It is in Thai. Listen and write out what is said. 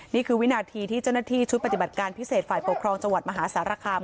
นี่คือวินาทีที่เจ้าหน้าที่ชุดปฏิบัติการพิเศษฝ่ายปกครองจังหวัดมหาสารคาม